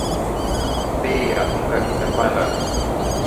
Bei ya unga imepanda